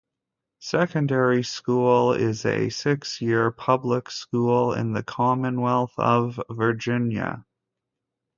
Secondary School is a six-year public school in the Commonwealth of Virginia.